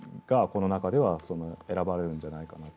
この中では選ばれるんじゃないかなと。